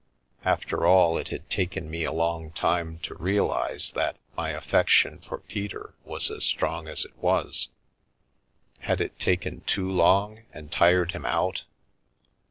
After all, it had taken me a long time to realise that my affection for Peter was as strong as it was — had it taken too long and tired him out?